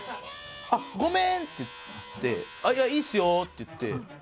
あっごめん！って言っていいっすよって言って。